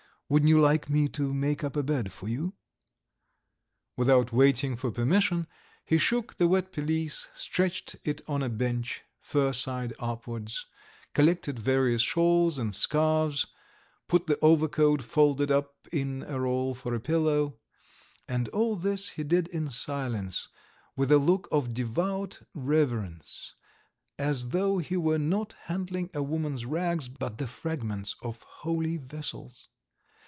Wouldn't you like me to make up a bed for you?" Without waiting for permission he shook the wet pelisse, stretched it on a bench, fur side upwards, collected various shawls and scarves, put the overcoat folded up into a roll for a pillow, and all this he did in silence with a look of devout reverence, as though he were not handling a woman's rags, but the fragments of holy vessels.